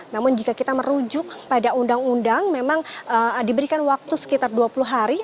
namun jika kita merujuk pada undang undang memang diberikan waktu sekitar dua puluh hari